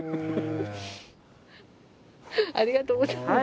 ありがとうございます。